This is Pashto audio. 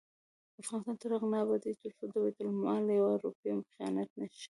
افغانستان تر هغو نه ابادیږي، ترڅو د بیت المال یوه روپۍ خیانت نشي.